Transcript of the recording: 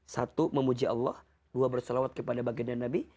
satu memuji allah dua bersalawat kepada bagian dari nabi